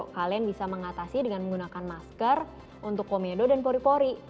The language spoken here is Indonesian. kalian bisa mengatasi dengan menggunakan masker untuk komedo dan pori pori